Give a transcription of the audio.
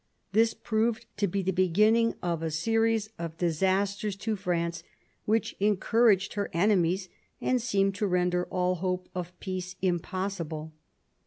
This proved to be the beginning of a series of disasters to France which encouraged her enemies and seemed to render all hope of peace impossible.